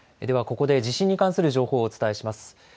ではここで地震に関する情報をお伝えします。